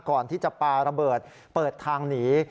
ก่อนที่จะปาระเบิดเปิดทางหนี